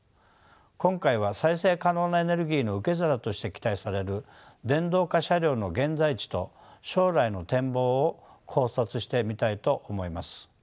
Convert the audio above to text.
今回は再生可能なエネルギーの受け皿として期待される電動化車両の現在地と将来の展望を考察してみたいと思います。